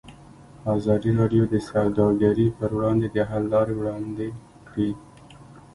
ازادي راډیو د سوداګري پر وړاندې د حل لارې وړاندې کړي.